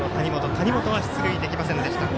谷本は出塁できませんでした。